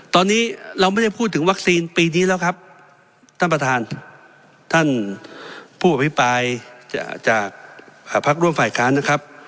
ตอนนี้เราไม่ได้พูดถึงวัคซีนปีนี้แล้วครับท่านประธานท่านผู้อภิปรายจากพักร่วมฝ่ายค้านนะครับ